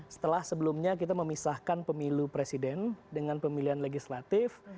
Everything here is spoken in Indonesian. setelah sebelumnya kita memisahkan pemilu presiden dengan pemilihan legislatif